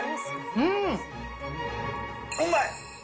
うまい！